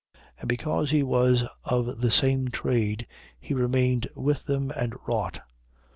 18:3. And because he was of the same trade, he remained with them and wrought.